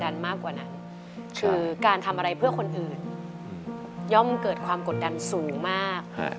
โทรมากนะ